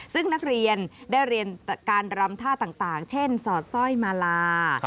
ซึ่งนักเรียนได้เรียนการรำท่าต่างเช่นสอดสร้อยมาลา